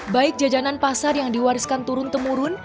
baik jajanan pasar yang diwariskan turun temurun